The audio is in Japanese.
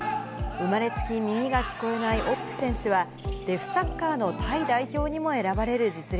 生まれつき耳が聞こえないオップ選手は、デフサッカーのタイ代表にも選ばれる実力。